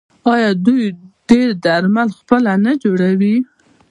آیا دوی ډیری درمل پخپله نه جوړوي؟